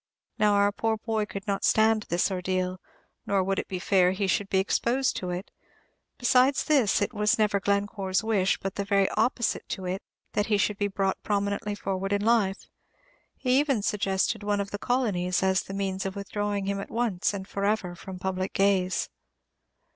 Now, our poor boy could not stand this ordeal, nor would it be fair he should be exposed to it. Besides this, it was never Glencore's wish, but the very opposite to it, that he should be brought prominently forward in life. He even suggested one of the Colonies as the means of withdrawing him at once, and forever, from public gaze.